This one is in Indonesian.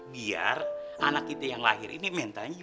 biar anak kita yang lahir ini mentalnya juga kuat